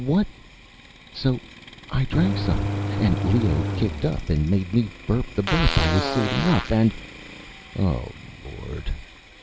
"What " "So I drank some. And Leo kicked up and made me burp the burp I was saving. And " "Oh, Lord!"